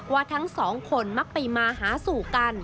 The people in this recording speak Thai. ว่าทั้งสองคนมักไปมาหาสู่กัน